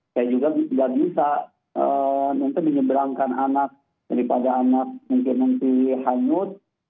saya juga tidak bisa menyeberangkan anak daripada anak mungkin nanti hanyut